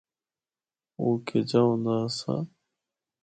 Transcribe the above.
او کِجّا ہوندا آسا۔